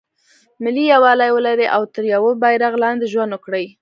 ملي یووالی ولري او تر یوه بیرغ لاندې ژوند وکړي.